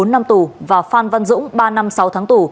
bốn năm tù và phan văn dũng ba năm sáu tháng tù